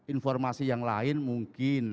informasi yang lain mungkin